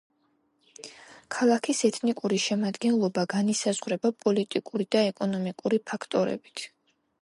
ქალაქის ეთნიკური შემადგენლობა განისაზღვრება პოლიტიკური და ეკონომიკური ფაქტორებით.